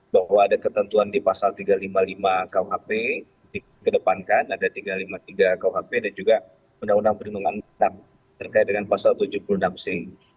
bahwa ada ketentuan di pasal tiga ratus lima puluh lima kuhp dikedepankan ada tiga ratus lima puluh tiga kuhp dan juga undang undang perlindungan anak terkait dengan pasal tujuh puluh enam c